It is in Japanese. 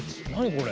これ。